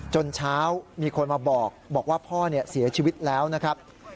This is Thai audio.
เช้ามีคนมาบอกบอกว่าพ่อเสียชีวิตแล้วนะครับ